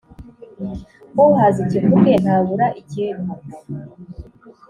Uhaze ikivuge, ntabura ikivugo.